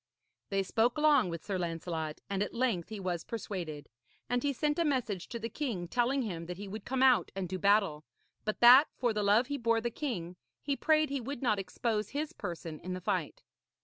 They spoke long with Sir Lancelot, and at length he was persuaded; and he sent a message to the king telling him that he would come out and do battle; but that, for the love he bore the king, he prayed he would not expose his person in the fight.